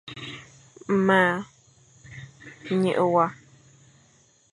Ma nyeghe wa.